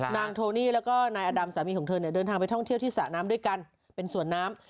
โทนี่แล้วก็นายอดำสามีของเธอเนี่ยเดินทางไปท่องเที่ยวที่สระน้ำด้วยกันเป็นสวนน้ำ